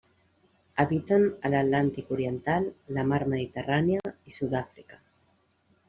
Habiten a l'Atlàntic oriental, la Mar Mediterrània i Sud-àfrica.